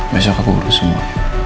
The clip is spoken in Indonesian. besok aku urus semua